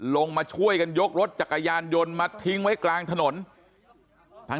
ลงมาช่วยกันยกรถจักรยานยนต์มาทิ้งไว้กลางถนนทั้ง